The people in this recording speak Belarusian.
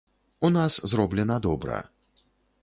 У нас зроблена добра.